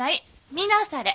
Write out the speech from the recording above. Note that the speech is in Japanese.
見なされ。